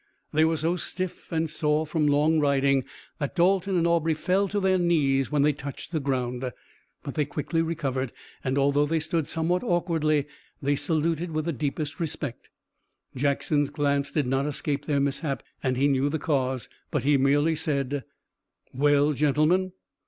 They were so stiff and sore from long riding that Dalton and Aubrey fell to their knees when they touched the ground, but they quickly recovered, and although they stood somewhat awkwardly they saluted with the deepest respect. Jackson's glance did not escape their mishap, and he knew the cause, but he merely said: "Well, gentlemen."